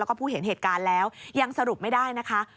แล้วก็ผู้เห็นเหตุการณ์แล้วยังสรุปไม่ได้นะคะ